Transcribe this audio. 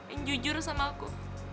yang jujur sama aku